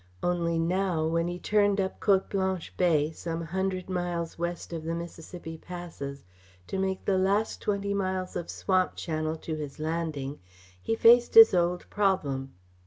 Only now, when he turned up Cote Blanche Bay, some hundred miles west of the Mississippi passes, to make the last twenty miles of swamp channel to his landing, he faced his old problem.